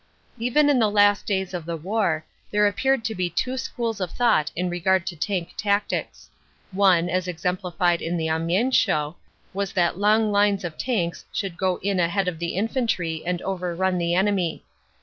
Even in the last days of the war, there appeared to be two schools of thought in regard to tank tactics. One, as exemplified in the Amiens show, was that long lines of tanks should go in ahead of the infantry and overrun the enemy.